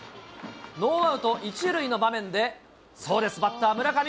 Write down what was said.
ノーアウト１塁の場面で、そうです、バッター、村上。